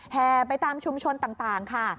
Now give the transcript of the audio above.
แห่ไปตามชุมชนต่างค่ะ